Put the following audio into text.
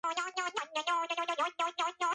რკინიგზის ტრანსპორტის საწარმოები.